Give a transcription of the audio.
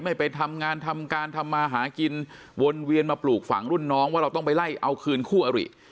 ไม่ไปทำงานทำการทำมาหากินวนเวียนมาปลูกฝังรุ่นน้องว่าเราต้องไปไล่เอาคืนคู่อริ